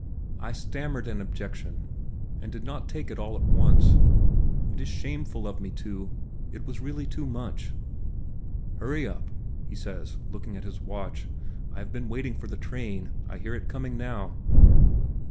I stammered an objection and did not take it all at once. It is shameful of me to ... it was really too much.... "Hurry up," he says, looking at his watch. "I have been waiting for the train; I hear it coming now."